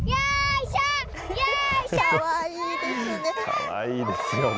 かわいいですね！